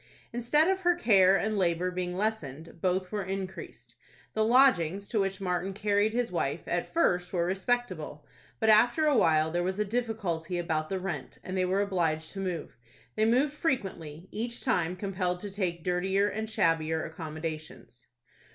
Instead of her care and labor being lessened, both were increased. The lodgings to which Martin carried his wife, at first, were respectable, but after a while there was a difficulty about the rent, and they were obliged to move. They moved frequently, each time compelled to take dirtier and shabbier accommodations.